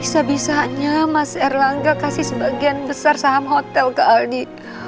sebisanya mas erlangga kasih sebagian besar saham hotel ke aldi